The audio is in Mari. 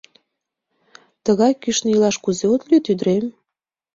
Тыгай кӱшнӧ илаш кузе от лӱд, ӱдырем?